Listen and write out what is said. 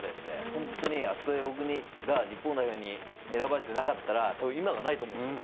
本当にあそこで僕が日本代表に選ばれてなかったら、今がないと思うんですよ。